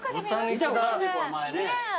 見たことあるね前ね。